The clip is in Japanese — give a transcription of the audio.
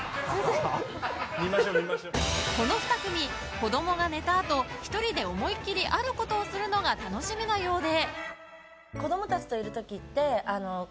この２組、子供が寝たあと１人で思いっきりあることをするのが楽しみなようで。